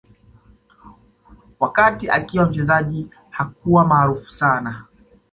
Wakati akiwa mchezaji hakuwa maarufu sana